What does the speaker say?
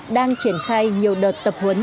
đang triển khai nhiều đợt tập huấn